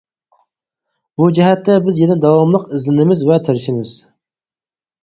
بۇ جەھەتتە بىز يەنە داۋاملىق ئىزدىنىمىز ۋە تىرىشىمىز.